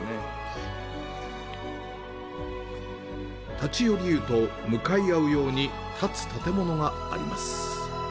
立ち寄り湯と向かい合うように建つ建物があります。